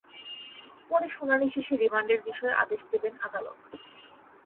পরে শুনানি শেষে রিমান্ডের বিষয়ে আদেশ দেবেন আদালত।